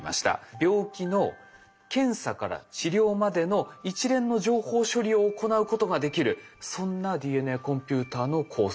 病気の検査から治療までの一連の情報処理を行うことができるそんなＤＮＡコンピューターの構想だったんです。